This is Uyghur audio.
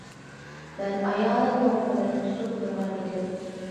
مەن ئايالىمنىڭ قولىنى تۇتۇپ تۇرغان ئىدىم.